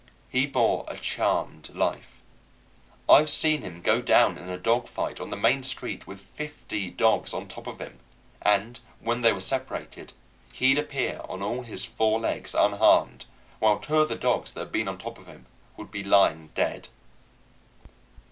He bore a charmed life. I've seen him go down in a dog fight on the main street with fifty dogs on top of him, and when they were separated, he'd appear on all his four legs, unharmed, while two of the dogs that had been on top of him would be lying dead.